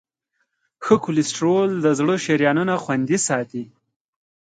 ښه کولیسټرول د زړه شریانونه خوندي ساتي.